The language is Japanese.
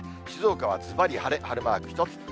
静岡はずばり晴れ、晴れマーク１つ。